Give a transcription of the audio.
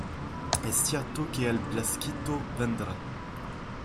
Es cierto que el Blasquito vendra ?